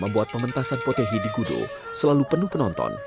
membuat pementasan potehi di gudo selalu penuh penonton